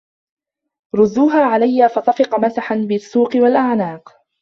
رُدّوها عَلَيَّ فَطَفِقَ مَسحًا بِالسّوقِ وَالأَعناقِ